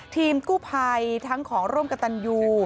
ทีมกู้ภัยทั้งของร่วมกับตันยู